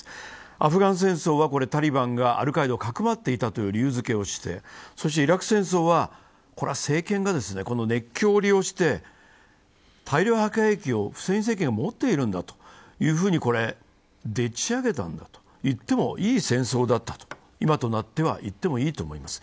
アフガン戦争はタリバンがアルカイダをかくまっていたという理由づけをしてイラク戦争は政権がこの熱狂を利用して大量破壊兵器をフセイン政権が持っているというふうにでっち上げたんだと言ってもいい戦争だったと、今となっては言ってもいいと思います。